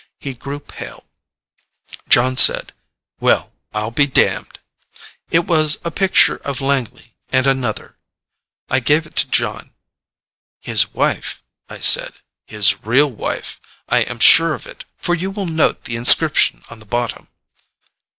He grew pale. Jon said, "Well, I'll be damned!" It was a picture of Langley and another. I gave it to Jon. "His wife," I said. "His real wife. I am sure of it, for you will note the inscription on the bottom."